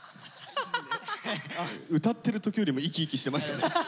歌ってる時よりも生き生きしてましたね。